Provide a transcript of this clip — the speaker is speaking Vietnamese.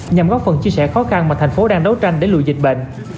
nhằm góp phần chia sẻ khó khăn mà thành phố đang đấu tranh để lùi dịch bệnh